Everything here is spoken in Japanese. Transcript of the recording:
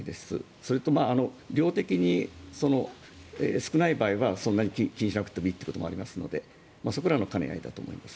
それと、量的に少ない場合はそんなに気にしなくていいというところもありますのでそこらの兼ね合いだと思います。